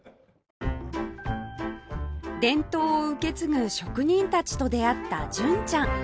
伝統を受け継ぐ職人たちと出会った純ちゃん